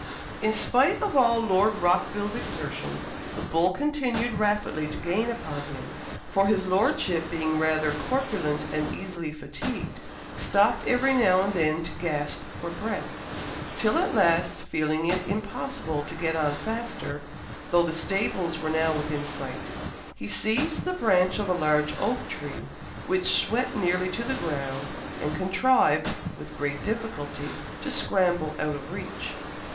In spite of all Lord Rockville's exertions, the bull continued rapidly to gain upon him, for his Lordship, being rather corpulent and easily fatigued, stopped every now and then to gasp for breath; till at last, feeling it impossible to get on faster, though the stables were now within sight, he seized the branch of a large oak tree, which swept nearly to the ground, and contrived, with great difficulty, to scramble out of reach.